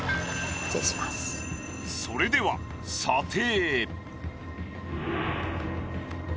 それでは査定。